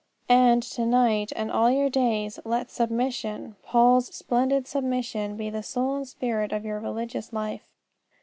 And, to night, and all your days, let submission, Paul's splendid submission, be the soul and spirit of all your religious life.